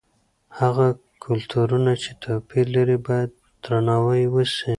هغه کلتورونه چې توپیر لري باید درناوی یې وسي.